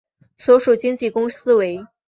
所属经纪公司为。